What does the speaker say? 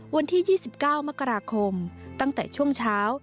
วันที่๒๙มกราคมตั้งแต่ช่วงเช้า